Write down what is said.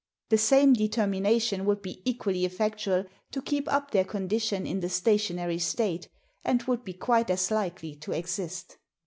The same determination would be equally effectual to keep up their condition in the stationary state, and would be quite as likely to exist.